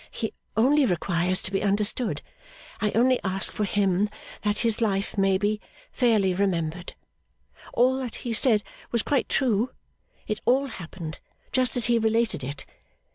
He only requires to be understood. I only ask for him that his life may be fairly remembered. All that he said was quite true. It all happened just as he related it.